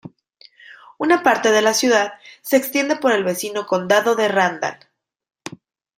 Una parte de la ciudad se extiende por el vecino condado de Randall.